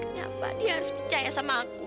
kenapa dia harus percaya sama aku